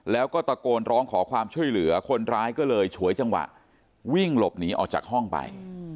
แล้วก็ตะโกนร้องขอความช่วยเหลือคนร้ายก็เลยฉวยจังหวะวิ่งหลบหนีออกจากห้องไป